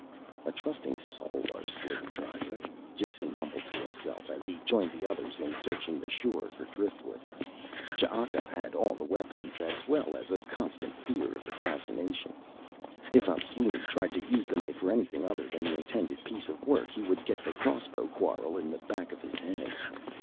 "A trusting soul, our slave driver," Jason mumbled to himself as he joined the others in searching the shore for driftwood. Ch'aka had all the weapons as well as a constant fear of assassination. If Opisweni tried to use the knife for anything other than the intended piece of work, he would get the crossbow quarrel in the back of his head.